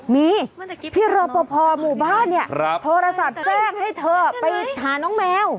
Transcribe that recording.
มีพี่รอปภหมู่บ้านเนี่ยโทรศัพท์แจ้งให้เธอไปหาน้องแมว